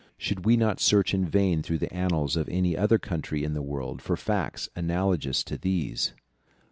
Should we not search in vain through the annals of any other country in the world for facts analogous to these?